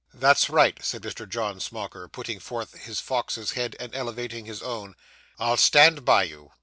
'That's right,' said Mr. John Smauker, putting forth his fox's head, and elevating his own; 'I'll stand by you.